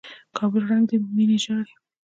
کابل ړنګ دى ميني ژاړي